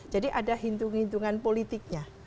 jadi ada hitung hitungan politiknya